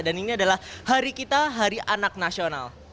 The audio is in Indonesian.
dan ini adalah hari kita hari anak nasional